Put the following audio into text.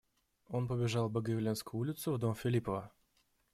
Он побежал в Богоявленскую улицу, в дом Филиппова.